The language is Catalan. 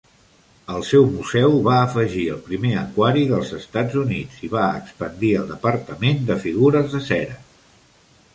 El seu museu va afegir el primer aquari dels Estats Units i va expandir el departament de figures de cera.